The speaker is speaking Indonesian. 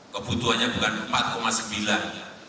kebutuhannya bukan rp empat sembilan triliun